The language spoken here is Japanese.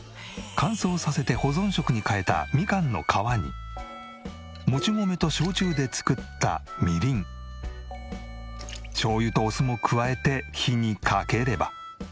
乾燥させて保存食に変えたみかんの皮にもち米と焼酎で作ったみりん醤油とお酢も加えて火にかければ。